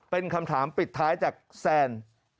เป็นคำถามปิดท้ายจากแซน